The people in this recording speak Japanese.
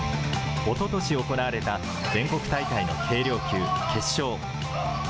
おととし行われた、全国大会の軽量級決勝。